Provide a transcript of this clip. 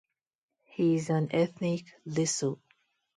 He is an ethnic Lisu.